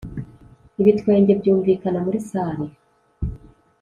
ibitwenge byumvikana muri salle.